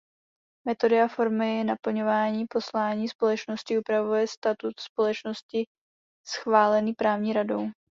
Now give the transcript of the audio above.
Metody a formy naplňování poslání společnosti upravuje Statut společnosti schválený správní radou.